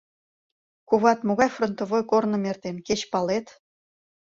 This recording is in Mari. Коват могай фронтовой корным эртен, кеч палет?